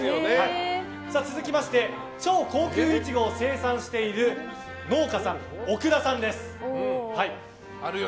続きまして、超高級いちごを生産している農家さん奥田さんです。